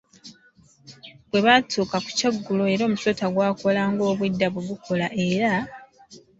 Bwe batuuka ku kyeggulo, era omusota gwakola ng’obwedda bwegukola, era